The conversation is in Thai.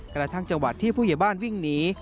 กระทั่งจังหวัดที่ผู้ใหญ่บ้านวิ่งหนี